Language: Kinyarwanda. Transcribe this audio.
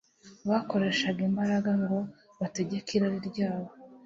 bakoresha imbaraga ngo bategeke irari ryabo